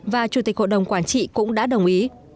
và chủ tịch hội đồng quản trị cũng đã đồng ý